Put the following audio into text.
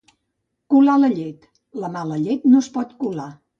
Colar la llet, la mala llet no es pot colar